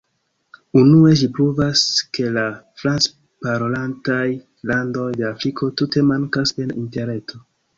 Unue, ĝi pruvas ke la franc-parolantaj landoj de Afriko tute mankas en Interreto.